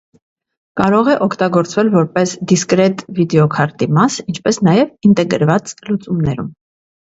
Կարող է օգտագործվել որպես դիսկրետ վիդեոքարտի մաս, ինչպես նաև ինտեգրված լուծումներում։